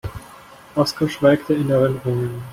Oskar schwelgte in Erinnerungen.